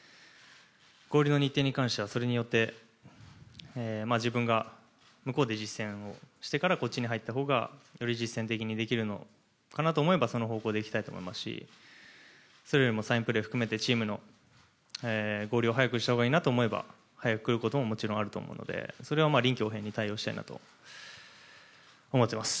合流の日程に関してはそれによって自分が向こうで実戦をしてからこっちに入ったほうが、より実戦的にできるのかなと思えばその方向で行きたいと思いますしそれよりもチームの合流を含めて早くしたほうがいいなと思えば早く来ることももちろんあると思うのでそれは臨機応変に対応したいなと思っています。